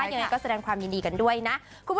อย่างนั้นก็แสดงความยินดีกันด้วยนะ